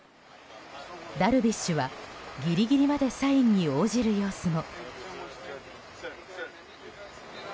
ダルビッシュはギリギリまでサインに応じる様子も。